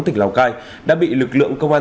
tỉnh lào cai đã bị lực lượng công an